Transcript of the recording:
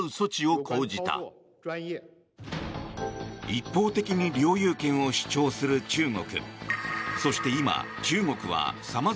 一方的に領有権を主張する中国。